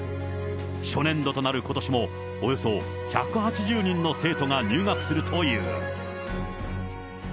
初年度となることしも、およそ１８０人の生徒が入学するという。